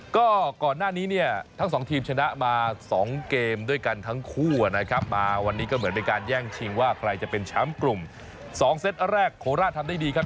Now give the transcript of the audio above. ก็ก่อนหน้านี้เนี่ยทั้งสองทีมชนะมา๒เกมด้วยกันทั้งคู่นะครับมาวันนี้ก็เหมือนเป็นการแย่งชิงว่าใครจะเป็นแชมป์กลุ่ม๒เซตแรกโคราชทำได้ดีครับ